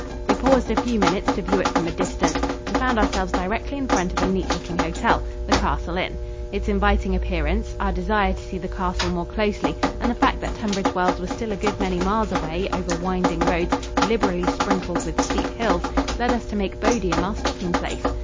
We paused a few minutes to view it from a distance and found ourselves directly in front of a neat looking hotel the Castle Inn. Its inviting appearance, our desire to see the castle more closely, and the fact that Tunbridge Wells was still a good many miles away over winding roads liberally sprinkled with steep hills, led us to make Bodiam our stopping place.